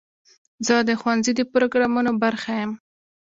زه د ښوونځي د پروګرامونو برخه یم.